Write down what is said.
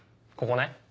ここね？